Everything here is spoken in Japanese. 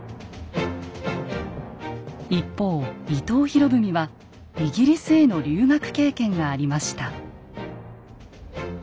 一方伊藤博文はイギリスへの留学経験がありました。